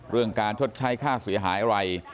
เรื่องการชดใช้ค่าเสียหายอะไร